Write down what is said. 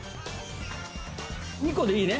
２個でいいね？